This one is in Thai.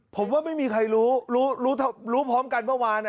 ผมว่าไม่มีใครรู้รู้พร้อมกันเมื่อวาน